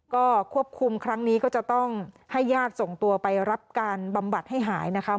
ก็ควบคุมครั้งนี้ก็จะต้องให้ญาติส่งตัวไปรับการบำบัดให้หายนะคะ